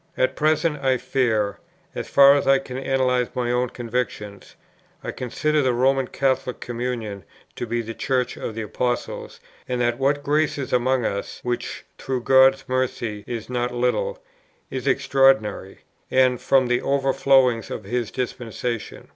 At present I fear, as far as I can analyze my own convictions, I consider the Roman Catholic Communion to be the Church of the Apostles, and that what grace is among us (which, through God's mercy, is not little) is extraordinary, and from the overflowings of His dispensation.